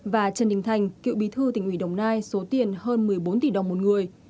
và trần đình thành cựu bí thư tỉnh ubnd số tiền hơn một mươi bốn tỷ đồng một người